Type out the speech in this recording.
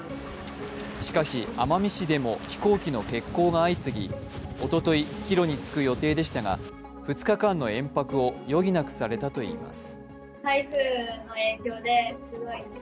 しかし、奄美市でも飛行機の欠航が相次ぎおととい、帰路に就く予定でしたが２日間の延泊を余儀なくされたといいます。